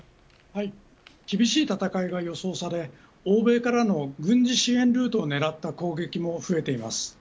厳しい戦いが予想され欧米からの軍事支援ルートを狙った攻撃も増えています。